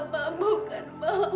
bapak bukan bapak